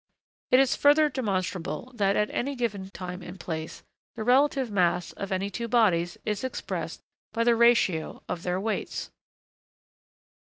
It is further demonstrable that, at any given time and place, the relative mass of any two bodies is expressed by the ratio of their weights.